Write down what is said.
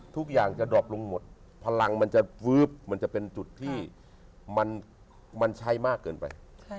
ทุกอย่างจะดรอปลงหมดพลังมันจะเป็นจุดที่มันใช้มากเกินไป